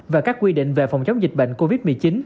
và các quy định về phòng chống dịch bệnh covid một mươi chín